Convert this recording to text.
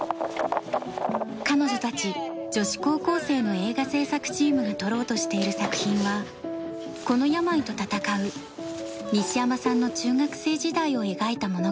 彼女たち女子高校生の映画制作チームが撮ろうとしている作品はこの病と闘う西山さんの中学生時代を描いた物語。